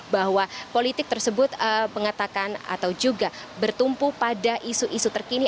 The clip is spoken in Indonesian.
bahwa politik tersebut mengatakan atau juga bertumpu pada isu isu terkini